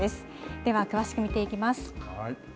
では詳しく見ていきます。